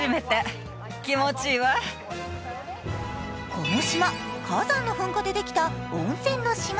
この島、火山の噴火でできた温泉の島。